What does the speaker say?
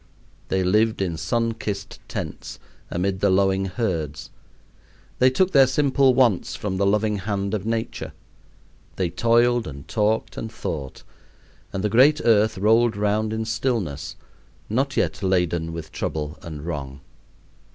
They lived in sunkissed tents amid the lowing herds. They took their simple wants from the loving hand of Nature. They toiled and talked and thought; and the great earth rolled around in stillness, not yet laden with trouble and wrong.